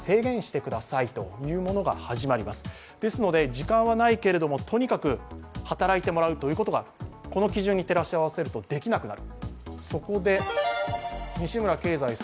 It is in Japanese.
時間はないけれども、とにかく働いてもらうということがこの基準に照らし合わせるとできなくなる。